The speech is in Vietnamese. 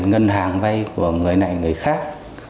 ngân hàng vay của người này người khác